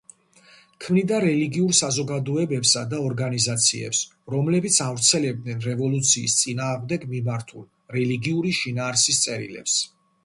ქმნიდა რელიგიურ საზოგადოებებსა და ორგანიზაციებს, რომლებიც ავრცელებდნენ რევოლუციის წინააღმდეგ მიმართულ რელიგიური შინაარსის წერილებს.